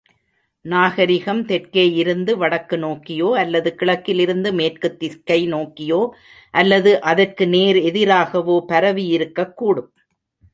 நாகரிகம் தெற்கேயிருந்து வடக்கு நோக்கியோ, அல்லது கிழக்கிலிருந்து மேற்குத் திக்கை நோக்கியோ அல்லது அதற்கு நேர் எதிராகவோ பரவியிருக்கக்கூடும்.